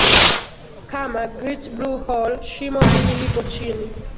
kama Great Blue hole Shimo hili lipo chini